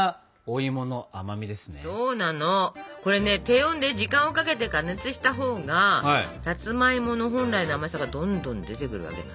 低温で時間をかけて加熱したほうがさつまいもの本来の甘さがどんどん出てくるわけなのね。